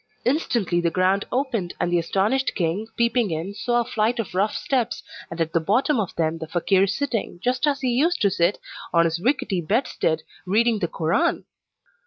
Instantly the ground opened, and the astonished king, peeping in, saw a flight of rough steps, and, at the bottom of them, the fakeer sitting, just as he used to sit, on his rickety bedstead, reading the Koran!